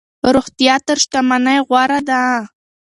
روغتیا تر شتمنۍ غوره ده.